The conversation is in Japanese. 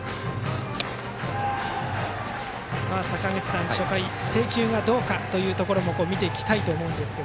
坂口さん、初回制球がどうかというところも見ていきたいと思いますが。